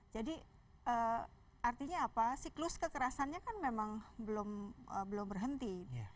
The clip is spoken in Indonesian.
jadi artinya apa siklus kekerasannya kan memang belum berhenti